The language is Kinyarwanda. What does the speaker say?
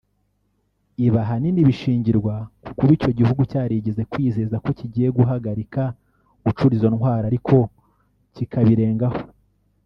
Ibi ahanini bishingirwa ku kuba icyo gihugu cyarigeze kwizeza ko kigiye guhagarika gucura izo ntwaro ariko kikabirengaho